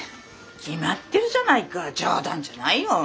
決まってるじゃないか冗談じゃないよ。